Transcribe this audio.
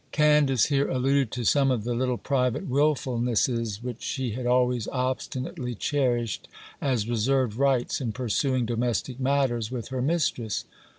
Candace here alluded to some of the little private wilfulnesses which she had always obstinately cherished as reserved rights, in pursuing domestic matters with her mistress.